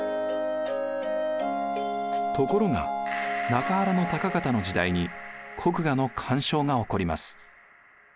ところが中原高方の時代に国衙の干渉が起こります。